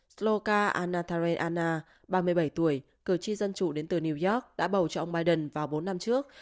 sloka anatareana ba mươi bảy tuổi cử tri dân chủ đến từ new york đã bầu cho ông biden vào bốn năm trước